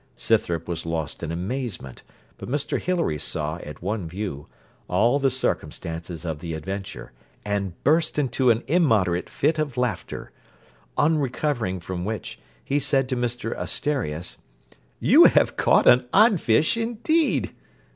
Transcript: Scythrop was lost in amazement; but Mr Hilary saw, at one view, all the circumstances of the adventure, and burst into an immoderate fit of laughter; on recovering from which, he said to Mr Asterias, 'You have caught an odd fish, indeed.'